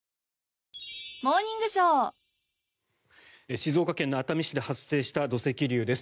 静岡県熱海市で発生した土石流です。